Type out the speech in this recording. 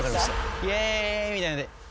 イェーイ！みたいので。